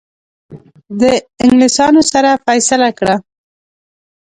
د انګلیسانو سره فیصله کړه.